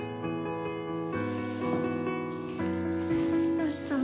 どうしたの？